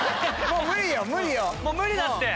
もう無理だって！